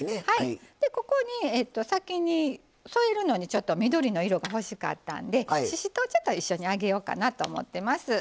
ここに先に添えるのに、ちょっと緑の色が欲しかったんでししとうを一緒に揚げようかなと思います。